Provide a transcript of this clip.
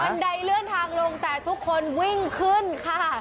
ไดเลื่อนทางลงแต่ทุกคนวิ่งขึ้นค่ะ